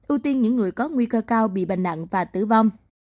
ưu tiên những người có nguy cơ cao bị bệnh nặng và tử vong